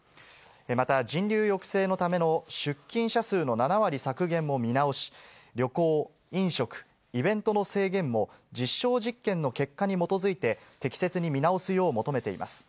また、人流抑制のための出勤者数の７割削減も見直し、旅行、飲食、イベントの制限も、実証実験の結果に基づいて適切に見直すよう求めています。